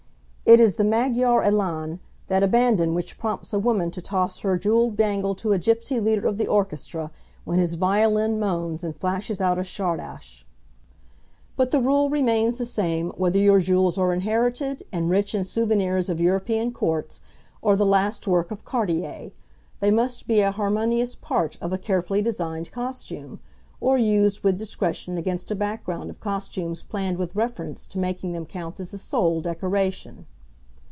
It is the Magyar élan, that abandon which prompts a woman to toss her jewelled bangle to a Gypsy leader of the orchestra, when his violin moans and flashes out a czardas. But the rule remains the same whether your jewels are inherited and rich in souvenirs of European courts, or the last work of Cartier. They must be a harmonious part of a carefully designed costume, or used with discretion against a background of costumes planned with reference to making them count as the sole decoration.